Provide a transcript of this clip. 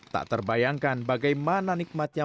tak terbayangkan bagaimana nikmatnya